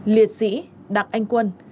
liệt sĩ đặc anh quân